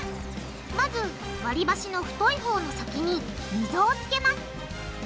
まず割り箸の太いほうの先に溝をつけます。